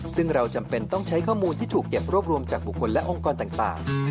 ซึ่งเราจำเป็นต้องใช้ข้อมูลที่ถูกเก็บรวบรวมจากบุคคลและองค์กรต่าง